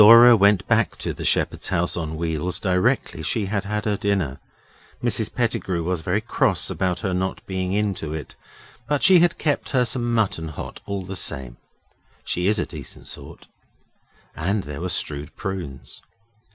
Dora went back to the shepherd's house on wheels directly she had had her dinner. Mrs Pettigrew was very cross about her not being in to it, but she had kept her some mutton hot all the same. She is a decent sort. And there were stewed prunes.